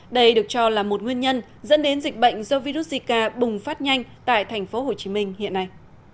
đây được cho là một nguyên nhân dẫn đến dịch bệnh do virus zika bùng phát nhanh tại thành phố hồ chí minh hiện nay